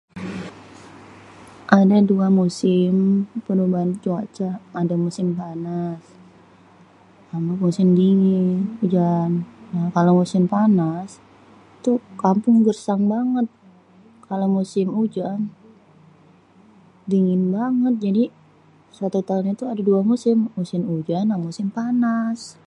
Ada dua musim perubahan cuaca. Ada musim panas amê musim dingin, ujan. Kalo musim panas tuh kampung gêrsang banget. Kalo musim ujan dingin banget. Jadi satu taun tuh ada 2 macem musim: musim ujan amê musim panas.